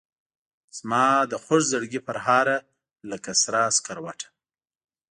زمادخوږزړګي پرهاره لکه سره سکروټه